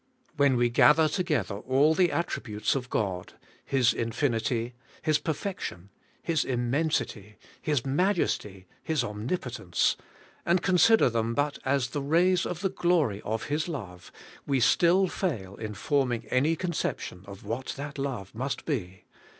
When we gather together all the attributes of God, ^" His infinity, His perfection. His immensity. His majesty, His omnipotence,— and consider them but as the rays of the glory of His love, we still fail in forming any conception of what that love must be.